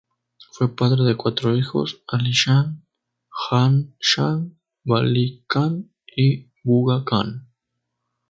Fue padre de cuatro hijos: 'Ali Shah, Jahan Shah, Vali Khan, y Buga Khan.